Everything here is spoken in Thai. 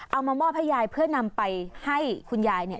เอามามอบให้ยายเพื่อนำไปให้คุณยายเนี่ย